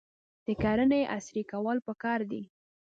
د کرنې عصري کول پکار دي.